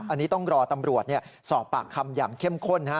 อันนี้ต้องรอตำรวจสอบปากคำอย่างเข้มข้น